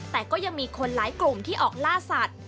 แต่ก็ยังมีคนหลายกลุ่มที่ออกล่าสัตว์